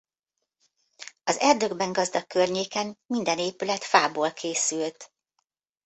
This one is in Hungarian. Az erdőkben gazdag környéken minden épület fából készült.